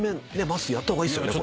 まっすーやった方がいいですよね